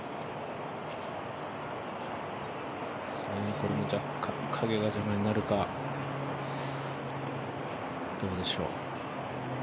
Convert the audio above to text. これも若干、陰が邪魔になるか、どうでしょう。